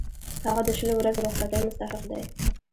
هغه د شلو ورځو رخصتۍ مستحق دی.